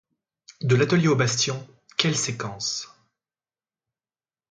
De l'atelier au bastion, quelle séquence.